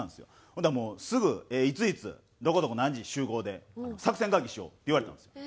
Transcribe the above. ほんだらもうすぐ「いついつどこどこ何時に集合で作戦会議しよう」って言われたんですよ。